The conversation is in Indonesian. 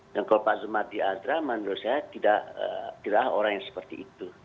dan kalau pak zuma diadra menurut saya tidak orang yang seperti itu